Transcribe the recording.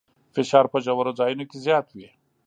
فشار په ژورو ځایونو کې زیات وي.